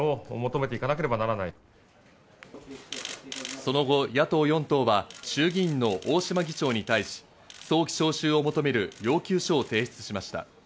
その後、野党４党は衆議院の大島議長に対し、早期召集を求める要求書を提出しました。